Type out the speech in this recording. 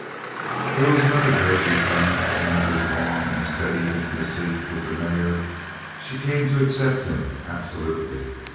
There was another great return from Andrew's long and steady intimacy with the mare. She came to accept him absolutely.